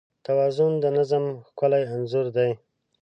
توازن د نظم ښکلی انځور دی.